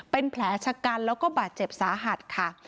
เป็นแผลชะกันแล้วก็บาดเจ็บสาหัสค่ะ